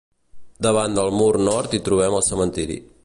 Davant del mur nord hi trobem el cementiri.